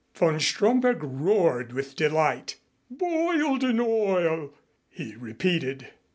Von Stromberg roared with delight. "Boiled in oil!" he repeated.